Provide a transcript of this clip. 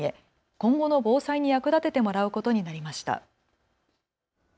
今後の防災に役立ててもらうことになりました。